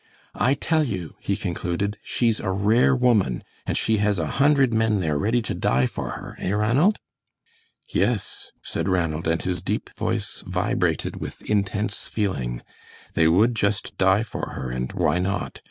"I tell you," he concluded, "she's a rare woman, and she has a hundred men there ready to die for her, eh, Ranald?" "Yes," said Ranald, and his deep voice vibrated with intense feeling. "They would just die for her, and why not?